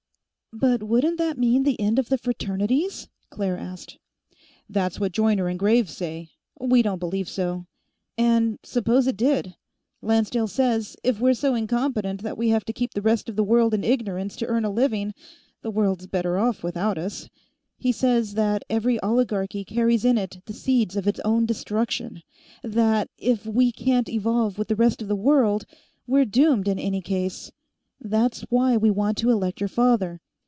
"But Wouldn't that mean the end of the Fraternities?" Claire asked. "That's what Joyner and Graves say. We don't believe so. And suppose it did? Lancedale says, if we're so incompetent that we have to keep the rest of the world in ignorance to earn a living, the world's better off without us. He says that every oligarchy carries in it the seeds of its own destruction; that if we can't evolve with the rest of the world, we're doomed in any case. That's why we want to elect your father.